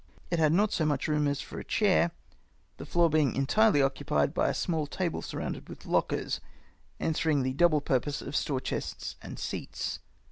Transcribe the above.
It had not so much as room for a chair, the floor being entirely occupied by a small table surrounded with lockers, answering the double purpose of storechests and seats.